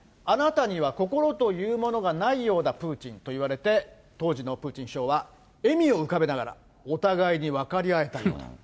あなたには心というものがないようだ、プーチンと言われて、当時のプーチン首相は、笑みを浮かべながら、お互いに分かり合えたようだと。